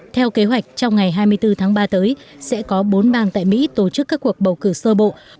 theo kế hoạch trong ngày hai mươi bốn tháng ba tới sẽ có bốn bang tại mỹ tổ chức các cuộc bầu cử sơ bộ